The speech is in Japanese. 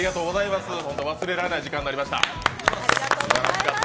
忘れられない時間になりました。